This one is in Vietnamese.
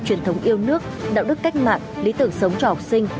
truyền thống yêu nước đạo đức cách mạng lý tưởng sống cho học sinh